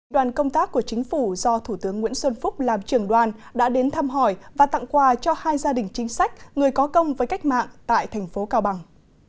đoàn công tác của chính phủ do thủ tướng nguyễn xuân phúc làm trưởng đoàn đã đến thăm hỏi và tặng quà cho hai gia đình chính sách người có công với cách mạng tại thành phố cao bằng